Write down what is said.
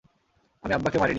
আমি আব্বাকে মারি নি।